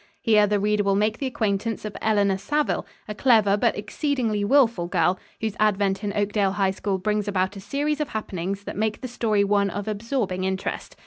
Here the reader will make the acquaintance of Eleanor Savell, a clever but exceedingly wilful girl, whose advent in Oakdale High School brings about a series of happenings that make the story one of absorbing interest.